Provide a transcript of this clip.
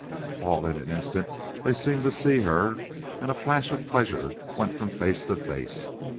All in an instant they seemed to see her, and a flash of pleasure went from face to face.